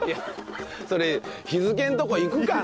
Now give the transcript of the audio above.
それ日付のところいくかな？